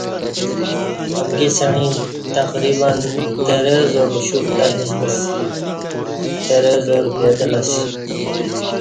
امکی سعیں تقریباَ ترہ ہزار اُوشُپ تہ نِشنہ سی ترہ ہزار پیدل اسی